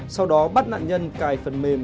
sau đó bắt nạn nhân cài phần mềm